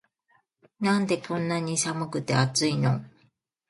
なんでこんなに寒くて熱いの